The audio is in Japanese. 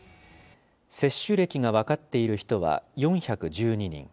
接種歴が分かっている人は４１２人。